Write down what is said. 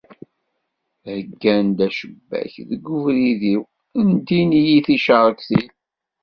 Heyyan acebbak deg ubrid-iw, ndin-iyi ticerktin.